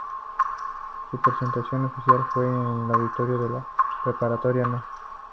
Su presentación oficial fue en el auditorio de la preparatoria no.